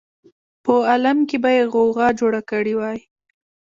په عالم کې به یې غوغا جوړه کړې وای.